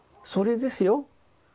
それですよ。